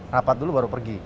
rapat dulu baru pergi